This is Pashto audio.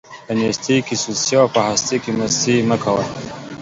په نيستۍ کې سستي او په هستۍ کې مستي مه کوه.